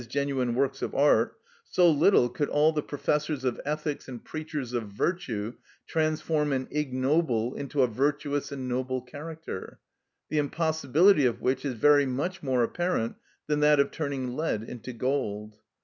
_, genuine works of art, so little could all the professors of ethics and preachers of virtue transform an ignoble into a virtuous and noble character, the impossibility of which is very much more apparent than that of turning lead into gold.